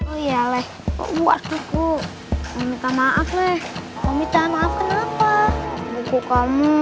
oh iya leh waduh bu mau minta maaf leh mau minta maaf kenapa buku kamu